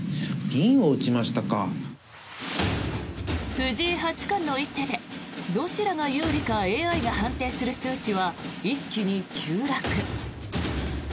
藤井八冠の一手でどちらが有利かＡＩが判定する数値は一気に急落。